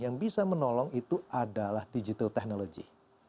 yang bisa menolong itu adalah digital technology